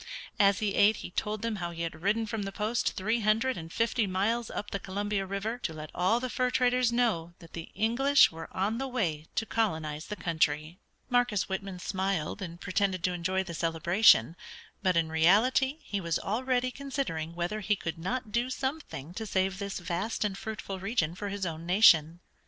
As he ate he told them how he had ridden from the post three hundred and fifty miles up the Columbia River to let all the fur traders know that the English were on the way to colonize the country. Marcus Whitman smiled, and pretended to enjoy the celebration; but in reality he was already considering whether he could not do something to save this vast and fruitful region for his own nation.